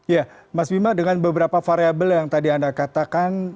ya mas bima dengan beberapa variable yang tadi anda katakan